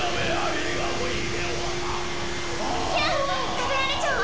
食べられちゃうわ！